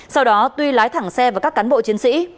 sau đó tuy lái thẳng xe vào các cán bộ chiến sĩ